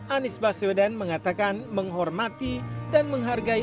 anies baswedan mengatakan menghormati dan menghargai